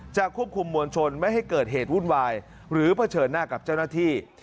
ควบคุมมวลชนไม่ให้เกิดเหตุวุ่นวายหรือเผชิญหน้ากับเจ้าหน้าที่